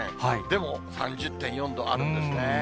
でも、３０．４度あるんですね。